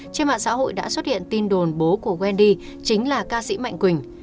trên mạng xã hội đã xuất hiện tin đồn bố của wendy chính là ca sĩ mạnh quỳnh